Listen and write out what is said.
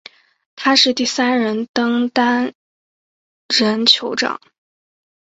他是第三任登丹人酋长。